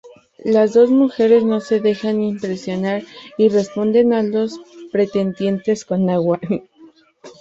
Las dos mujeres no se dejan impresionar y responden a los pretendientes con agua.